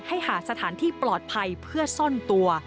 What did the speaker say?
หาสถานที่ปลอดภัยเพื่อซ่อนตัว